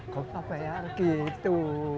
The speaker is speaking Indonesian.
gak usah bayar gitu